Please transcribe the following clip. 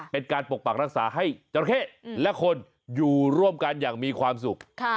เป็นการปกปักรักษาให้เจธรราเข้และคนอยู่ร่วมกับการอย่างมีความสุข